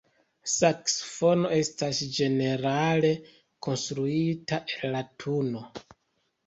Saksofono estas ĝenerale konstruita el latuno.